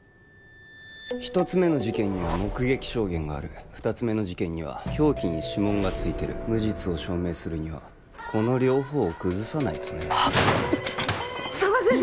１つ目の事件には目撃証言がある２つ目の事件には凶器に指紋がついてる無実を証明するにはこの両方を崩さないとね痛っ佐田先生